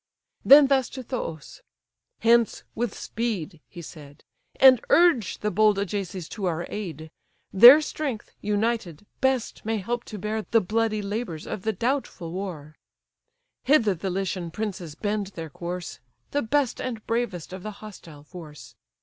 Then thus to Thoos: "Hence with speed (he said), And urge the bold Ajaces to our aid; Their strength, united, best may help to bear The bloody labours of the doubtful war: Hither the Lycian princes bend their course, The best and bravest of the hostile force.